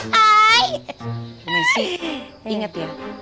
bu messi inget ya